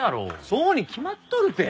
そうに決まっとるて！